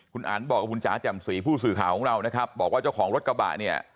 คุณอันบอกกับผู้สื่อข่าวของเรานะครับบอกว่าเจ้าของรถกระบาดเนี่ย